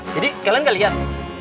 jadi kalian gak liat